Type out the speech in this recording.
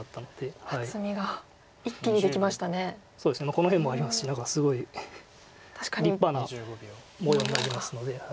この辺もありますし何かすごい立派な模様になりますので。